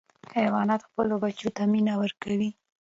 حیوانات خپلو بچیو ته مینه ورکوي.